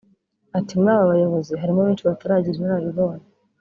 Ati “Muri aba bayobozi harimo benshi bataragira inararibonye